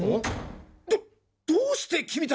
どどうして君達！？